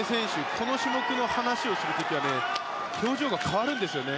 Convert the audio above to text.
この種目の話をする時は表情が変わるんですよね。